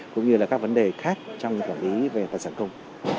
cũng như là các vấn đề khác trong quản lý về tài sản công